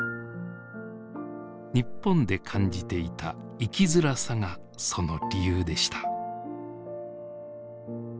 日本で感じていた生きづらさがその理由でした。